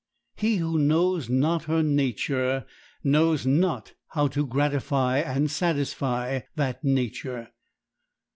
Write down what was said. He who knows not her nature knows not how to gratify and satisfy that nature.